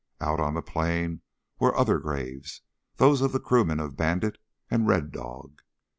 Out on the plain were other graves, those of the crewmen of Bandit and Red Dog.